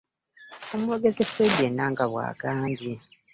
Omwogezi Fred Enanga bw'agambye.